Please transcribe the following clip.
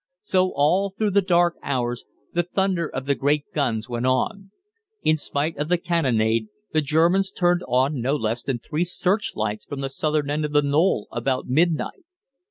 So all through the dark hours the thunder of the great guns went on. In spite of the cannonade the Germans turned on no less than three searchlights from the southern end of the knoll about midnight.